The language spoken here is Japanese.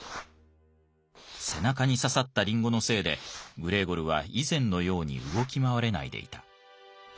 背中に刺さったリンゴのせいでグレーゴルは以前のように動き回れないでいた。